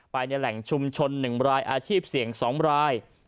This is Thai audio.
ไปในแหล่งชุมชน๑รายอาชีพเสี่ยง๒ราย